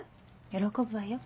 喜ぶわよ。